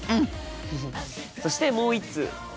フフッそしてもう一通。